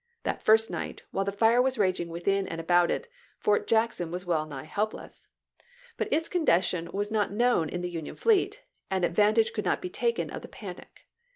That first night, while the fire was raging within and about it. Fort Jackson was well nigh helpless. But its condition was not known in the Union fleet, and advantage could not be taken of the panic.